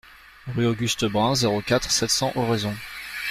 Rue Auguste Brun, zéro quatre, sept cents Oraison